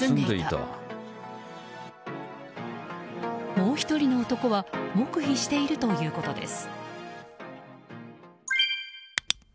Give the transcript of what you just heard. もう１人の男は黙秘しているということです。